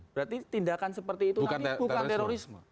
berarti tindakan seperti itu nanti bukan terorisme